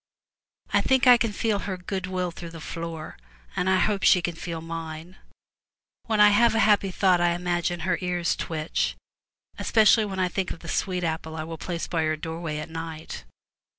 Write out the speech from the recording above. I think I can feel her good will through the floor, and I hope she can mine. When I have a happy thought I imagine her ears twitch, especially when I think of the sweet apple I will place by her doorway at night.